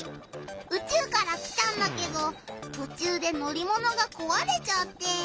宇宙から来たんだけどとちゅうでのりものがこわれちゃって。